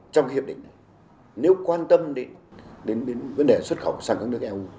trong hiệp định này nếu quan tâm đến vấn đề xuất khẩu sang các nước eu